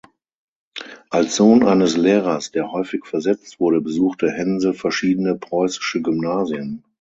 Als Sohn eines Lehrers, der häufig versetzt wurde, besuchte Hense verschiedene preußische Gymnasien.